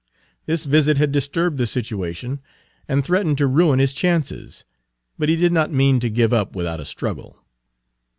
This visit had disturbed the situation and threatened to ruin his chances; but he did not mean to give up without a struggle.